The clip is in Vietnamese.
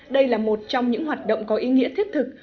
đây là một trong những hoạt động có ý nghĩa thiết thực